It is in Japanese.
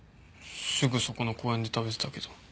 すぐそこの公園で食べてたけど。